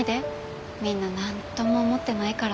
みんな何とも思ってないから。